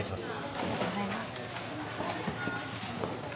ありがとうございます。